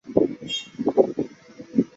农氏春是来自高平省的侬族人。